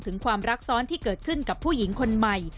ความรักซ้อนที่เกิดขึ้นกับผู้หญิงคนใหม่